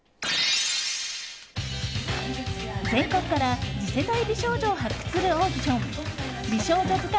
全国から次世代美少女を発掘するオーディション美少女図鑑